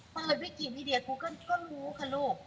เปิดวิกีวีเดียกูเกิ้ลก็รู้ค่ะลูก